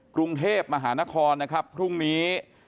กรุงเทพมหานครนะครับพรุ่งนี้